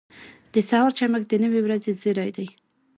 • د سهار چمک د نوې ورځې زېری دی.